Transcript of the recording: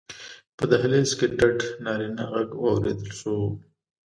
په دهلېز کې ډډ نارينه غږ واورېدل شو: